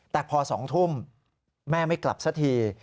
แต่พอ๒ทุ่มแม่ไม่กลับสักที